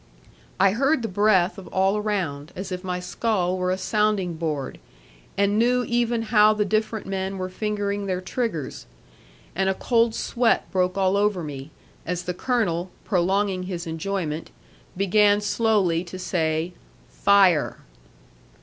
I heard the breath of all around, as if my skull were a sounding board; and knew even how the different men were fingering their triggers. And a cold sweat broke all over me, as the Colonel, prolonging his enjoyment, began slowly to say, 'Fire.'